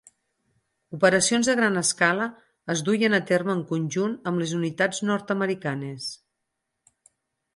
Operacions a gran escala es duien a terme en conjunt amb les unitats nord-americanes.